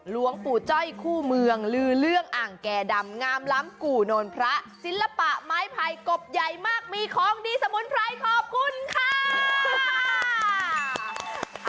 หลวงปู่จ้อยคู่เมืองลือเรื่องอ่างแก่ดำงามล้ำกู่โนนพระศิลปะไม้ไผ่กบใหญ่มากมีของดีสมุนไพรขอบคุณค่ะ